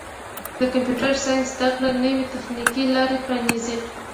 د کمپیوټر ساینس زدهکړه نوې تخنیکي لارې پرانیزي.